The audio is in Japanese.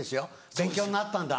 勉強になったんだ。